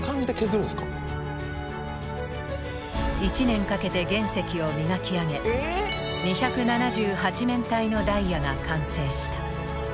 １年かけて原石を磨き上げ２７８面体のダイヤが完成した。